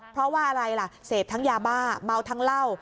เพราะว่าอะไรล่ะเสพทั้งยาบ้าเมาทั้งเหล้า